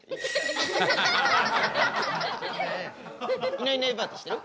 いないいないばあって知ってる？